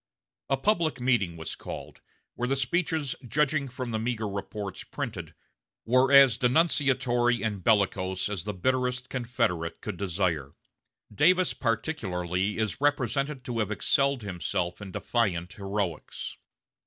A public meeting was called, where the speeches, judging from the meager reports printed, were as denunciatory and bellicose as the bitterest Confederate could desire. Davis particularly is represented to have excelled himself in defiant heroics.